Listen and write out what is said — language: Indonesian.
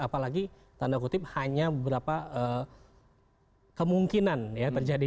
apalagi tanda kutip hanya beberapa kemungkinan ya terjadi